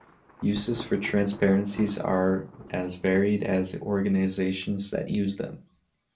Uses for transparencies are as varied as the organizations that use them.